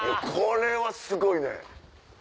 これはすごいね！